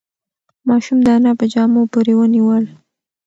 ماشوم د انا په جامو پورې ونیول.